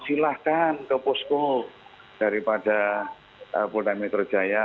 silahkan ke posko daripada polda metro jaya